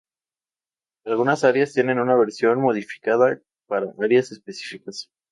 Algunas áreas tienen una versión modificada para áreas específicas.